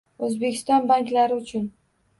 O'zbekiston banklari uchun